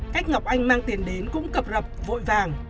cách ngọc anh mang tiền đến cũng cập rập vội vàng